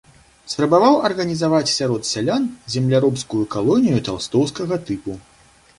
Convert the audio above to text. Спрабаваў арганізаваць сярод сялян земляробскую калонію талстоўскага тыпу.